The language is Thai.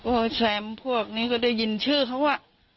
แซมพวกนี้ก็ได้ยินชื่อเขาอะ